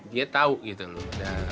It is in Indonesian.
dia tahu gitu loh